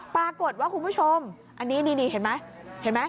ปรากฏว่าคุณผู้ชมอันนี้เห็นไหม